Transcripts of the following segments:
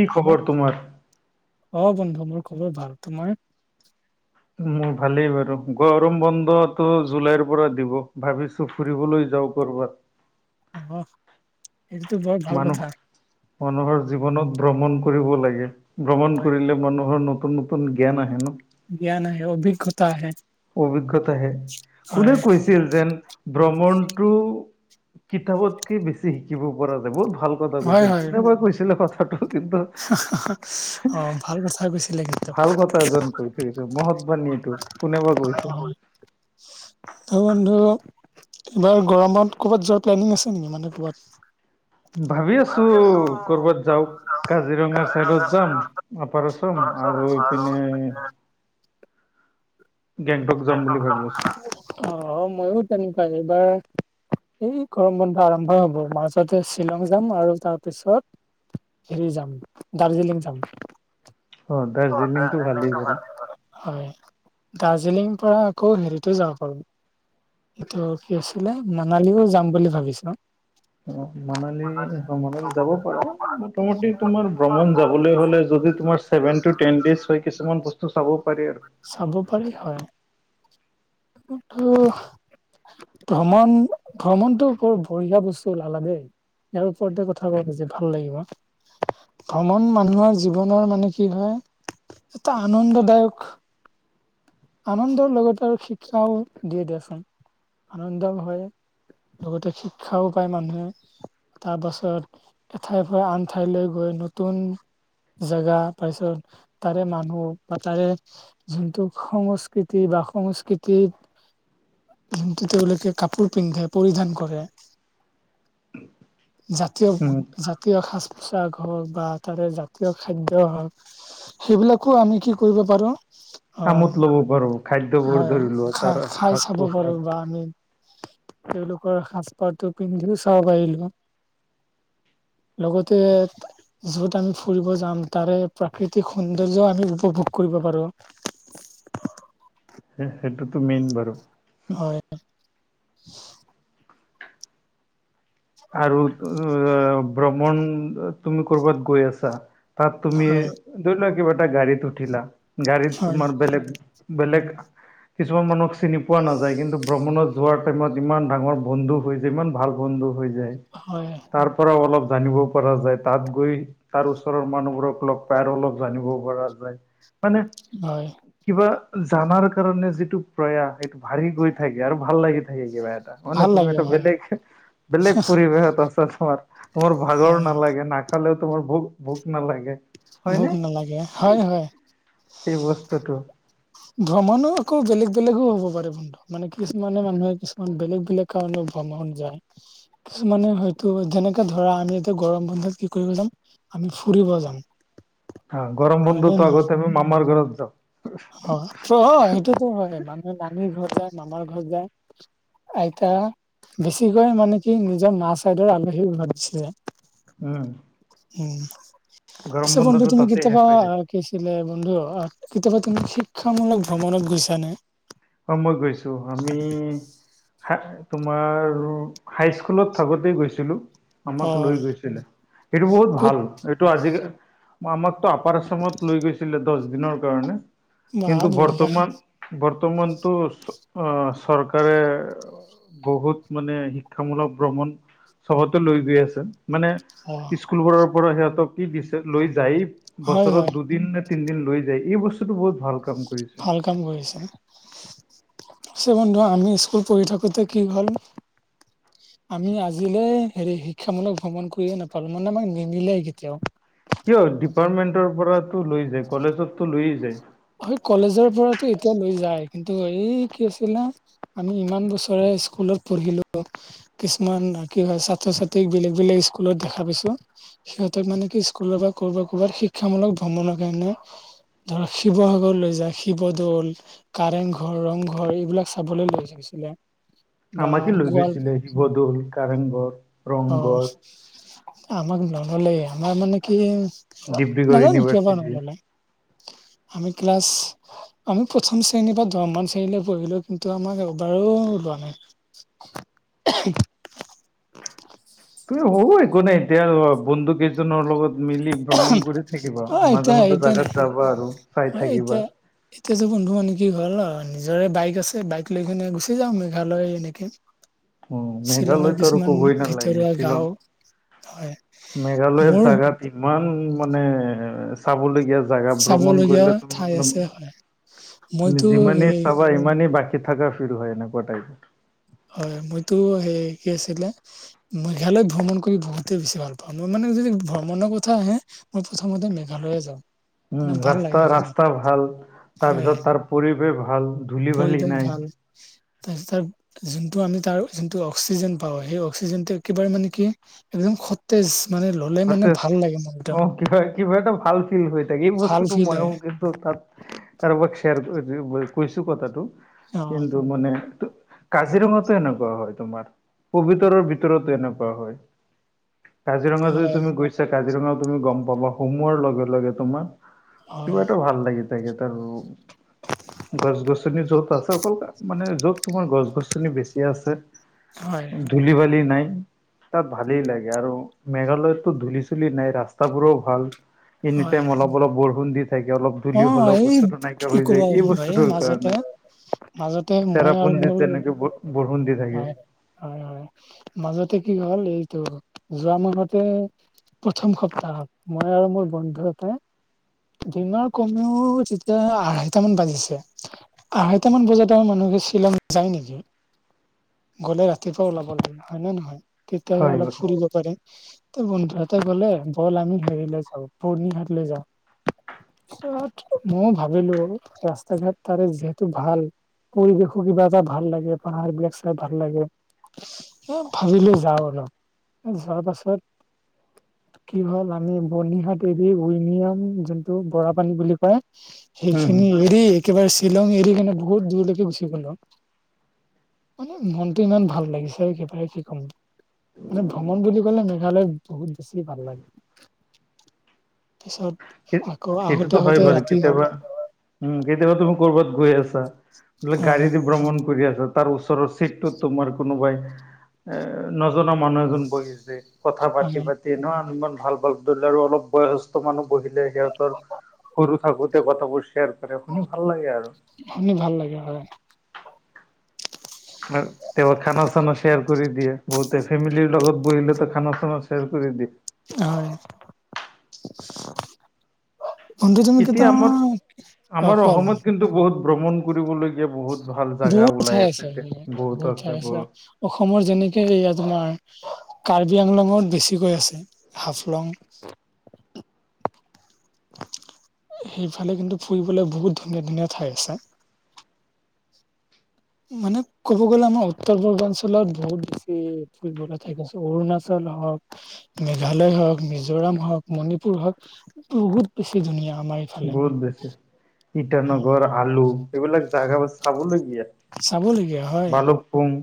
কি খবৰ তোমাৰ অ বন্ধু মোৰ খবৰ ভাল তোমাৰ। মোৰ ভালেই বাৰু গৰম বন্ধটো জুলাইৰ পৰা দিব ভাবিছো। ফুৰিবলৈ যাওঁ ক'ৰবাত। অ এহেইটো বৰ ভাল মানুহ কথা। মানুহৰ জীৱনত ভ্ৰমণ কৰিব লাগে ভ্ৰমণ হয় কৰিলে মানুহৰ নতুন। জ্ঞান আহে ন। জ্ঞান আহে অভিজ্ঞতা আহে। অভিজ্ঞতাহে কুনে হয় কৈছিল যেন, ভ্ৰমণতটো কিতাপতকে বেছি শিকিব পৰা যায় বহুত ভাল, কথা হয় কৈছিল হয় কোনেবাই কৈছিলে কথাটো কিন্তু, অ ভাল কথা কৈছিলে কিন্তু ভাল কথা এজন কৰি থৈছো মহৎ বাণী এইটো, কেনেকুৱা কৈছে। হয়। অ বন্ধু এইবাৰ গৰমত কৰ'বাত যোৱাৰ প্লেনিং আছে নেকি মানে ক'বাত। ভাবি আছো কৰ'বাত যাওক, কাজিৰঙাৰ চাইডত যাম আপাৰ আচাম আৰু ইপিনে, গেংটক যাম বুলি ভাবি আছো। অ মইয়ো তেনেকুৱা এইবাৰ, এই গৰম বন্ধ আৰম্ভ হ'ব মাজতে শ্বিলং যাম আৰু তাৰপিছত, হৰি যাম দাৰ্জিলিং যাম। অ দাৰ্জিলিং টো ভালেই বাৰু হয়। দাৰ্জিলিং পৰা আকৌ হেৰিত যাব পাৰোঁ। এইটো কি আছিলে মানালীও যাম বুলি ভাবিছো। অ মানালী অ মানালী যাব পাৰা। মোতামতি তোমাৰ ভ্ৰমণ যাবলৈ হলে যদি তোমাৰ চেভেনটো টেন দেইছ হয় কিছু বস্তু চাব পাৰি আৰু চাব পাৰি হয়। [unintelligible] ভ্ৰমণ ভ্ৰমণতটো বঢ়িয়া বস্তু ওলালে দেই। ইয়াৰ ওপৰতে কথা কম যে ভাল লাগিব। ভ্ৰমণ মানুহৰ জীৱনৰ মানে কি হয় এটা আনন্দদায়ক। আনন্দৰ লগতে আৰু শিক্ষাও দিয়ে দিয়াচোন আনন্দও হয়। লগতে শিক্ষাও পায় মানুহে। তাৰ পাছত এঠাইৰ পৰা আন এঠাইলৈ গৈ নতুন। জেগা তাৰপিছত তাৰে মানুহ বা তাৰে যোনটো, সংস্কৃতি বা সংস্কৃতি, তেওঁলোকে কাপোৰ পিন্ধে পৰিধান কৰে। [unintelligible] জাতীয় উম জাতীয় সাজ পোচাক হওক বা তাৰে জাতীয় খাদ্য হওক, সেইবিলাকো আমি কি কৰিব পাৰো। অ আমোদ ল'ব পাৰো খাদ্যবোৰ অ ধৰি লোৱা খা তাৰ খাই সাজ চাব পাৰো পোছাক বা আমি। তেওঁলোকৰ সাজপাৰতটো পিন্ধিও চাব পাৰিলো হয়। লগতে। য'ত আমি ফুৰিব যাম তাৰে প্ৰাকৃতিক সৌন্দৰ্যও আমি উপভোগ কৰিব পাৰোঁ। সেইটোতো মেইন বাৰু হয় আৰু অঁ ভ্ৰমণ তুমি কৰ'বাত গৈ আছা? তাত তুমি হয় ধৰি লোৱা কিবা এটা গাডীত উঠিলা, গাড়ীত হয় তোমাৰ বেলেগ বেলেগ কিছুমান মানুহক চিনি পোৱা নাযায়, কিন্তু ভ্ৰমণত যোৱাৰ টাইমত ইমান ডাঙৰ বন্ধু হৈ যায় ইমান ভাল বন্ধু হৈ যায়। হয় হয় তাৰ পৰাও অলপ জানিব পৰা যায়, তাত গৈ তাৰ ওচৰৰ মানুহবোৰক লগ পাই আৰু অল জানিব পৰা যায়। মানে হয়। কিবা জানাৰ কাৰণে যিটো প্ৰয়াস সেইটো বাঢ়ি গৈ থাকে আৰু ভাল লাগি থাকে কিবা। অন্য ভাল তুমি লাগে এটা হয় বেলেগ বেলেগ পৰিৱেশত আছে তোমাৰ, মোৰ ভাগৰ হয় নালাগে নাখালেও তোমাৰ ভোক ভোক নালাগে। ভোক হয়নে নালাগে হয় হয়। সেই বস্তুটো। ভ্ৰমণো আকৌ বেলেগ বেলেগো হ'ব পাৰে উম। মানে কিছুমানে মানুহে কিছুমান বেলেগ বেলেগ কাৰণে ভ্ৰমণ যায়। কিছুমানে হয়তো যেনেকে ধৰা আমিটো গৰম বন্ধত কি কৰিব যাম আমি ফুৰিব যাম। হা গৰম হয় বন্ধ ত আগতে আমি মামাৰ ঘৰত যাওঁ। অঁ সেইটোতো হয় মানে মামীৰ ঘৰত যায়, মামাৰ ঘৰত যায়। আইতা বেছিকৈ মানে কি নিজৰ মা চাইডৰ আলহী ঘৰত গুছি যায়। উম। উম, গৰম কিছুমান যদি বন্ধটো তুমি তাতে শেষ কেতিয়াবা হৈ যায় কি, বন্ধু কেতিয়াবা তুমি শিক্ষামূলক ভ্ৰমণত গৈছা নে? অঁ, মই গৈছো। আমি হা তোমাৰ হাইস্কুলত থাকোতেই গৈছিলো। অ আমাক লৈ গৈছিলে, সেইটো বহুত ক'ত ভাল। এইটো আজি আমাকতো আপাৰ আচমত লৈ গৈছিলে দছ দিনৰ কাৰণে। বা কিন্তু বঢ়িয়া বৰ্তমান বৰ্তমানতো অঁ চৰকাৰে বহুত মানে শিক্ষামূলক ভ্ৰমণ চবতে লৈ গৈ আছে। মানে অ স্কুলবোৰৰ পৰা সিহঁতক কি দিছে লৈ যায় হয় হয় বছৰত দুদিন তিনিদিন লৈ যায় এই বস্তুতটো বহুত ভাল কাম কৰিছে। ভাল কাম কৰি আছে ন। আছে বন্ধু আমি স্কুল পঢ়ি থাকোঁতে কি হল। আমি আজিলে হেৰি শিক্ষামূলক ভ্ৰমণ কৰিয়ে নাপালো মানে আমাক নিমিলে কেতিয়াও। কিয় ডিপাৰ্টমেণ্টৰ পৰাতো লৈ যায়, কলেজততো লৈয়ে যায়। হয় কলেজৰ পৰাতো এতিয়া লৈ যায়, কিন্তু এই কি আছিলে আমি ইমান বছৰে স্কুলত পঢ়িলো। কিছুমান কি হয় ছাত্ৰ ছাত্ৰীক বেলেগ বেলেগ স্কুলত দেখা পাইছো। সিহঁতক মানে কি স্কুলৰ পৰা ক'ৰবাত কৰবাত শিক্ষামূলক ভ্ৰমণৰ কাৰণে ধৰক শিৱসাগৰ লৈ যায় শিৱদৌল, কাৰেংঘৰ, ৰংঘৰ এইবিলাক চাবলৈ লৈ গৈছিলে। বা আমাকে লৈ গোৱাৰ গৈছিলে শিৱদৌল, কাৰেংঘৰ অ ৰংঘৰ আমাক নহলে আমাৰ মানে কি ডিব্ৰুগড় নাজানো কিয় বাঁ ইউনিভাৰ্চিটি নললে। আমি ক্লাছ আমি প্ৰথম শ্ৰেণীৰ বা দহমান শ্ৰেণীলৈ পঢ়িলো কিন্তু আমাক এবাৰো ওলোৱা নাই [inaudible] ত হ' একো নাই এতিয়া বন্ন্দুকেই জনৰ লগত মিলি ভ্ৰমণ কৰি থাকিবা অ এতিয়া মাজে মাজে এতিয়া নাই জাগাত যাবা আৰু চাই অ থাকিবা এতিয়া এতিয়াতো বন্ধু মানে কি হ'ল অ নিজৰে বাইক আছে বাইক লৈ কিনে গুচি যাওঁ মেঘালয় এনেকে উ শ্বিলঙৰ মেঘালয়তো আৰু কিছুমান ক'বই নালাগে ভিতৰুৱা শ্বিলং গাঁও হয় মেঘালয়ত মোৰ জোগাত ইমান মানে চাবলগীয়া জোগা ভ্ৰমণ চাবলগীয়া কৰিলে তুমি ঠাই মানে আছে হয় তুমি মইতো যিমানেই হেৰি চাবা ইমানেই বাকি খ থাককা ফিল হয় এনেকুৱা টাইপ হয় মইতো সেই কি আছিলে মেঘালয়ত ভ্ৰমণ কৰি বহুতে বেছি ভাল পাওঁ মই মানে যদি ভ্ৰমণৰ কথা আহে মই প্ৰথমতে মেঘালয়ে যাওঁ উম মানে ভাল ৰাস্তা লাগে কিবা ৰাস্তা ভাল হয় তাৰপিছত তাৰ পৰিৱেশ ভাল ধূলি বালি পৰিৱেশ নাই, ভাল তাৰপছ যোনটো আমি তাৰ যোনটো অক্সিজেন পাওঁ সেই অক্সিজেনটো একেবাৰে মানে কি একদম খতেজ মানে ললে স মানে ভাল লাগে মনটো অ কি কিিবা এটা ভাল ফিল হৈ থাকে এই ভাল বস্তুটো ফিল হয় ময়ক তাত কাৰোবাক শ্বেয়াৰ কৈছো কথাটো অ কিন্তু মান কাজিৰঙাতো এনেকুৱা হয় তোমাৰ পবিতৰৰ ভিতৰতো এনেকুৱা হয় কাজিৰঙা যদি হয় তুমি গৈছা কাজিৰঙাও তুমি গম পাবা সোমোৱাৰ লগে লগে তোমাৰ হয় কিবা এটা ভাল লাগি থাকে তাৰ গছ গছনি য'ত আছে অকল মানে য'ত তোমাৰ গছ গছনি বেছিয়িে আছে হয় ধূলি বালি নাই তাত ভালেই লাগে আৰু মেঘালয়ত ধূলি চুলিি নাই ৰাস্তাাবোৰো ভাল এনি টাইম হয় অলপ অলপ বৰষুণ দি থাকে অলপ অ তুলি হ'লেও এই বস্তুটো নাইকিয়া কি হৈ যায় কবা এই বন্ধু বস্তুটোৰ মাজতে কাৰণে মাজতে মই আৰু চেৰাাপুঞ্জিতত মোৰ যেনেকে ব বৰষুণ দি থাকে হয় হয় মাজতে কি হ'ল এইটো যোৱা মাহতে প্ৰথম সপ্তাহত মই আৰু মোৰ বন্ধুতে দিিনত কমেও তেতিয়া আঢ়াইটাামান বাজিছে আঢৈটামান বজাত আ মানুহে শ্বিলং যায় নেকি গ'লে ৰাতিপুৱা ওলাব লাগে হয় নে নহয় তেতিয়া হয় অলপ ফুৰিব পাৰে বন্ধৰাতে গলে বল আমি হেলে যাওঁ পুৰ্ণি হাৰলৈ যাওঁ ময়ও ভাবিলো ৰাস্তা ঘাট তাৰে যিহেতু ভাল পৰিৱেশো কিবা এটা ভাল লাগে পাহাৰ বিলাক চাই ভাল লাগে এ ভাবিলে যাওঁ অলপ যোৱাৰ পাছত কি হ'ল আমি বনীহাাট এবি উইলিয়াম যোনটো খৰা পানী বুলি কয় উম সেইখিনি এৰি একেবাৰে শ্বিলং এৰি কিনে বহুত দূৰলৈকে গুচি গ'লো মানে মনতটো ইমান ভাল লাগিছে একেবাৰে কি ক'ম মানে ভ্ৰমণ বুলি ক'লে মেঘালয় বহুত বেছি ভাল লাগে তাৰ পিছত সেইটোতো হয় বাৰু কেতিয়াবা উম কেতিয়াবা তুমি কৰবাত গৈ আছা বোলে গাড়ী হয় দি ভ্ৰমণ কৰি আছা তাৰ ওচৰৰ চিটটোত তোমাৰ কোনোবাই এ নজনা মানুহ এজন বহিছে কথা পাতি হয় পাতি এনে ইমান ভাল ভাল ধৰিলে আৰু অলপ বয়সস্থ মানুহ বহিল সিহঁতৰ সৰু থাকোতে কথাবোৰ শ্বেয়াৰ কৰে শুনি ভাল লাগে আৰু শুনি ভাল লাগে হয় তেওঁ খানা চানা শ্বেয়াৰ কৰি দিয়ে বহুতে ফেমিলিৰ লগত বহিলেতো খানা চানা শ্যাৰ কৰি দিয়ে হয় বন্ধু তুমি কেতি এতিয়া আমাৰ অ আমাৰ কোৱা অসমত কিন্তু বহুত ভ্ৰমণ কৰিবলগীয়া বহুত ভাল জাগা বহুত ওলাই ঠাই আছে এতিয়া বহুত আছে বহুত অসমৰ যেনেকে এইয়া তোমাৰ কাৰ্বি আংলঙত বেছিকৈ আছে হাফলং [unintelligible] সেইফালে কিন্তু ফুৰিবলৈ বহুত ধুনীয়া ধুনীয়া ঠাই আছে মানে ক'ব গ'লে আমাৰ উত্তৰ পূৰ্বাঞ্চলত বহুত বেছি ফুৰিবলে তাকছে অৰুণাচল হওক মেঘালয় হওক মিজোৰাম হওক মণিপুৰ হওক বহুত বেছি ধুনীয়া আমাৰ ই বহুত বেছি ইটানগৰ আলু এইবিলাক জাগা বা চাবলৈ চাবলগীয়া হয় বলুক পুং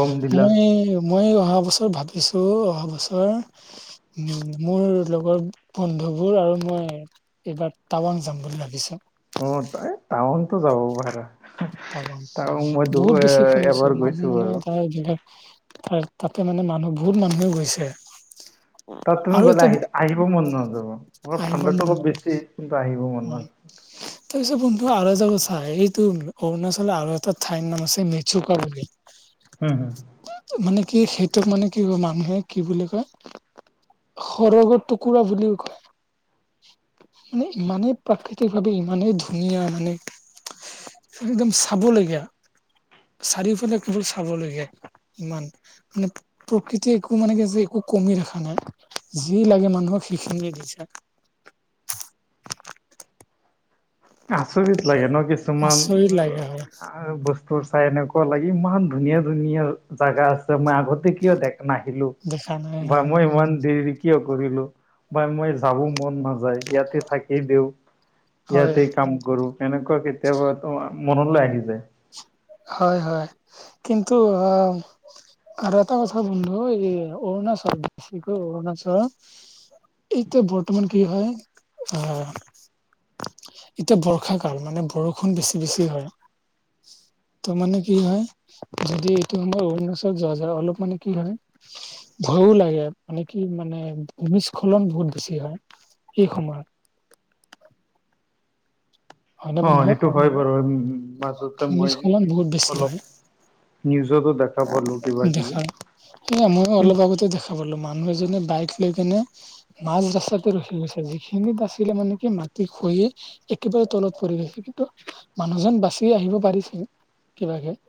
বমডিলা মই মই অহা বছৰ ভাবিছোঁ অহা বছৰ উ মোৰ লগৰ বন্ধুবোৰ আৰু মই এইবাৰ টাৱাং যাম বুলি ভাবিচু উ এই তাবংটো যাব পৰা ত বহুত বেছি এবাৰ শুনিছো গৈছো মানুহ মানে বাৰু। তাৰ যাক তাৰ তাতে মানে মানুহ বহুত মানুহে গৈছে তাত তুমি আৰু গ'লে এটা আহি আহিব মন নাযাব অলপ আহিব মন ঠাণ্ডাতটো অলপ যায় বেছি কিন্তু আহিব মন হয়। নাযাব [unintelligible] তাৰপিছত বন্ধু আৰু এটা কথা এইটো অৰুণাচলৰ আৰু এটা ঠাইৰ নাম আছে মেচকা বুলি হম হু মানে কি সেইটোক মানে কি কয় মানুহে কি বুলি কয় সৰগৰ টুকুৰা বুলিও কয় ই মানে প্ৰাকৃতিক ভাৱে ইমানেই ধুনীয়া মানে একদম চাবলগীয়া চাৰিওফালে কেৱল চাবলগীয়া ইমান মানে প্ৰকৃতি একো মানে কি যে একো কমি ৰখা নাই যি লাগে মানুহক সেইখিনিয়ে দিছে আচৰিত লাগে ন কিছুমান আচৰিত লাগে হয় আৰু বস্তু চাই এনেকুৱা লাগি ইমান ধুনীয়া ধুনীয়া জেগা আছে মই আগত কিয় দে নাহিলো দেখা নাই বা হয় মই ইমান দেৰি কিয় কৰিলো বা মই যাব মন নাযায় ইয়াতে থাকেই দিওঁ হয় ইয়াতে কাম কৰো হেনেকুৱা কেতিয়াবা মনলৈ আহি যায় হয় হয় কিন্তু আ আৰ এটা কথা বন্ধু এই অৰুণাচ কি কয় অৰুণাচল এইটো বৰ্তমান কি হয় আহ এতিয়া বৰ্ষা কাল মানে বৰষুণ বেছি বেছি হয় ত মানে কি হয় যদি এইটো সময়ত অৰুণাচলত যোৱা যায় অলপ মানে কি হয় ভয়ো লাগে মানে কি মানে ভূমিস্খলন বহুত বেছি হয় এই সময়ত হয় নে অ, বন্ধু সেইটো হয় বাৰু, উ, মাজতে মই ভূমিস্খলন বহুত অলপ নিউজতো দেখা পালো কিবা কিবি দেখাত, মই অলপ কিন্তু আগতে দেখা লো, মানুহে এজনিয়ে বাইক লৈ কেনে মাছ বচাতে ৰখি গৈছে, যিখিনিত আচিলে মানে কি মাটি খহি একেবাৰে তলত পৰি গৈছে কিন্তু মানুহজন বাচি আহিব পাৰিছে কিবাকে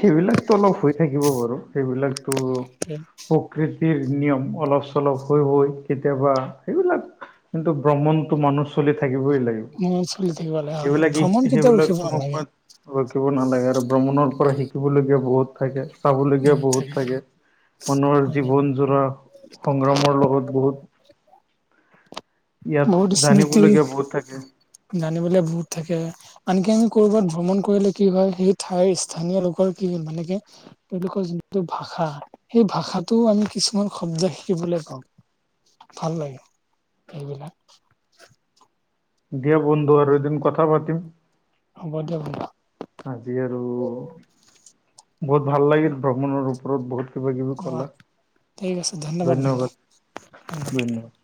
সেইবিলাকতো অলপ হৈ থাকিব বাৰু, সেইবিলাকতো প্ৰকৃতিৰ নিয়ম অলপ-চলপ হৈ হৈ কেতিয়াবা, সেইবিলাক কিন্তু ভ্ৰমণতটো মানুহ চলি থাকিবই লাগে। মনত চলি থাকিব লাগে হয় সেইবিলাক ই, ভ্ৰমণ কেতিয়াও সেইবিলাক ৰখিব তোমাক নালাগে ৰখিব নালাগে, আৰু ভ্ৰমণৰ পৰা শিকিবলগীয়া বহুত থাকে। চাবলগীয়া বহুত থাকে, মানুহৰ হয়, জীৱন জোৰা সংগ্ৰামৰ লগত বহুত ইয়াত বহুত স্মৃতি জানিবলগীয়া বহুত থাকে জানিবলৈ বহুত থাকে। আনকি আমি কৰবাত ভ্ৰমণ কৰিলে কি হয়, সেই ঠাইৰ স্থানীয় লোকৰ কি মানে কি তেওঁলোকৰ যোনটো ভাষা, সেই ভাষাটোও আমি কিছুমান শব্দ শিকিবলৈ পওঁ। ভাল লাগে, এইবিলাক। দিয়া বন্ধু, আৰু এদিন কথা পাতিম। হ'ব দিয়ক আজি আৰু, বহুত ভাল লাগিল ভ্ৰমণৰ ওপৰত বহুত কিবা-কিবি অ কলা, ঠিক আছে ধন্যবাদ, বন্ধু ধন্যবাদ।